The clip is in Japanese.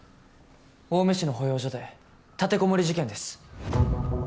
青梅市の保養所で立てこもり事件です